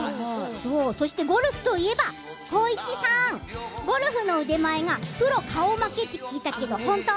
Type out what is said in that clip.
そしてゴルフといえば浩市さん、ゴルフの腕前がプロ顔負けって聞いたけど本当？